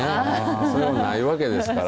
そういうの、ないわけですから。